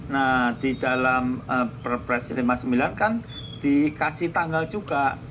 nah di dalam perpres lima puluh sembilan kan dikasih tanggal juga